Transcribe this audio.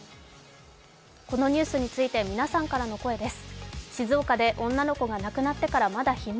このニュースについて皆さんからの声です。